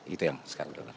itu yang sekarang